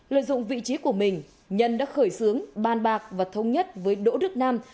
lợi dụng vị trí của mình nhân đã khởi xướng ban bạc và thống nhất với đỗ đức nam